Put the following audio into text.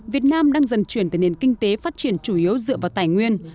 việt nam đang dần chuyển từ nền kinh tế phát triển chủ yếu dựa vào tài nguyên